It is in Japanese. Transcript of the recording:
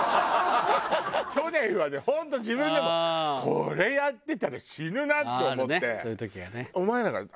去年はね本当自分でもこれやってたら死ぬなって思って。